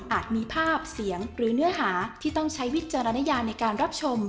มีภาพเสียงหรือเนื้อหาที่ต้องใช้วิจารณญาในการรับชม